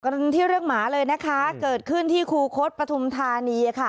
ที่เรื่องหมาเลยนะคะเกิดขึ้นที่คูคศปฐุมธานีค่ะ